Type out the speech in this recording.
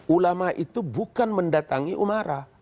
ulama itu bukan mendatangi umara